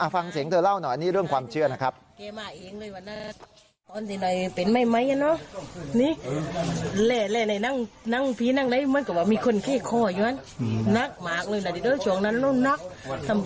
ฟังเสียงเธอเล่าหน่อยนี่เรื่องความเชื่อนะครับ